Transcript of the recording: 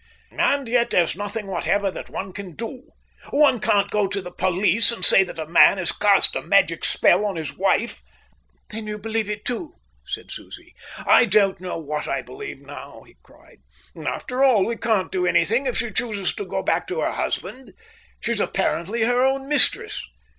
"And yet there's nothing whatever that one can do. One can't go to the police and say that a man has cast a magic spell on his wife." "Then you believe it too?" said Susie. "I don't know what I believe now," he cried. "After all, we can't do anything if she chooses to go back to her husband. She's apparently her own mistress."